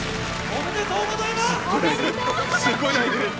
おめでとうございます。